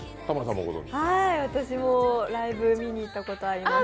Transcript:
私もライブ見に行ったことあります。